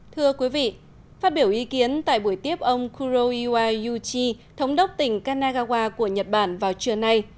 thưa quý vị phát biểu ý kiến tại buổi tiếp ông kuroya yuchi thống đốc tỉnh kanagawa của nhật bản vào trưa nay